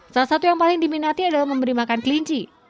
salah satu yang paling diminati adalah memberi makan kelinci